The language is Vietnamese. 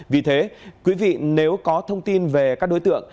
vì thế quý vị nếu có thông tin về các đối tượng